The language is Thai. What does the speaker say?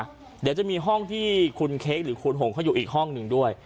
เดี๋ยวจะมีห้องที่คุณเค้กหรือคุณหงเขาอยู่อีกห้องหนึ่งด้วย